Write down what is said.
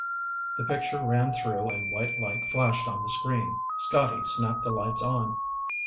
The picture ran through and white light flashed on the screen. Scotty snapped the lights on.